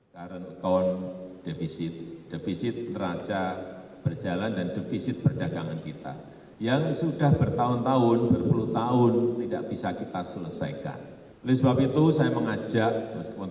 presiden juga mengatakan defisit neraca perdagangan dan defisit transaksi berjalan dapat teratasi dalam waktu tiga tahun